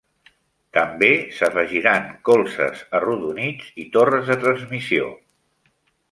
També s'afegiran colzes arrodonits i torres de transmissió.